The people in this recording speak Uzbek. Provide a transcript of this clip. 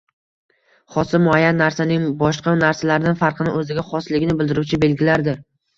Xossa muayyan narsaning boshqa narsalardan farqini, oʻziga xosligini bildiruvchi belgilardir